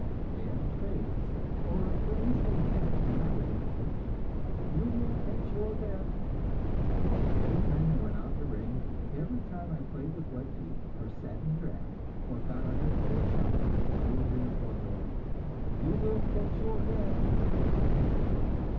They have a phrase or at least they had it when I was a boy: "You will catch your death." Every time I went out in the rain, every time I played with wet feet, or sat in a draft, or got under a cold shower, I would hear the formula, "You will catch your death."